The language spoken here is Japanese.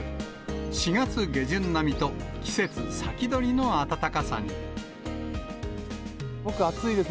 ４月下旬並みと、僕、暑いです。